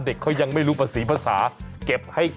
เฮ้ยเฮ้ยเฮ้ยเดี๋ยวจะขอเงินเมีย